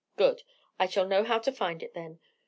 "Good; I shall know how to find it, then.